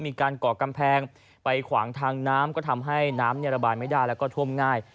ก่อกำแพงไปขวางทางน้ำก็ทำให้น้ำระบายไม่ได้แล้วก็ท่วมง่าย